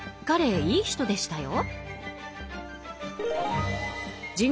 彼もいい人でしたよ。